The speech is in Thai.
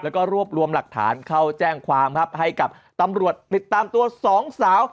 แล้วก็รวบรวมหลักฐานเข้าแจ้งความครับให้กับตำรวจติดตามตัวสองสาว